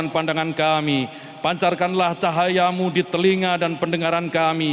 pancarkanlah cahaya muziknya